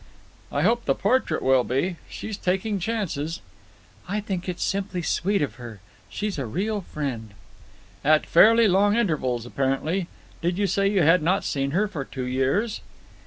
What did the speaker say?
"I hope the portrait will be. She's taking chances." "I think it's simply sweet of her. She's a real friend." "At fairly long intervals, apparently. Did you say you had not seen her for two years?"